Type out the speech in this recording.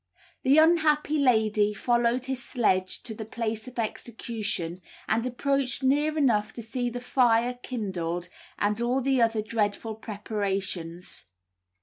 The unhappy lady followed his sledge to the place of execution, and approached near enough to see the fire kindled and all the other dreadful preparations.